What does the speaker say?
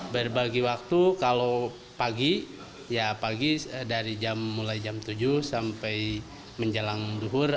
berbagi waktu kalau pagi ya pagi dari jam mulai jam tujuh sampai menjelang duhur